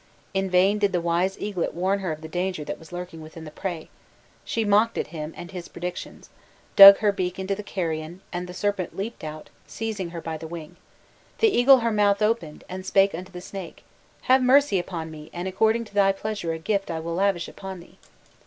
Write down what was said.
In vain did the wise eaglet warn her of the danger that was lurking within the prey; she mocked at him and his predictions, dug her beak into the carrion, and the serpent leaping out seized her by the wing. Then "the eagle her mouth opened, and spake unto the snake, 'Have mercy upon me, and according to thy pleasure a gift I will lavish upon thee!